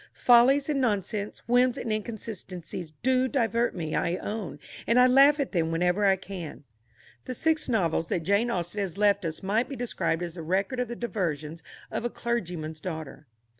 "Follies and nonsense, whims and inconsistencies, do divert me, I own, and I laugh at them whenever I can." The six novels that Jane Austen has left us might be described as the record of the diversions of a clergyman's daughter.